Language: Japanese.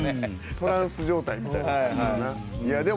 トランス状態みたいな。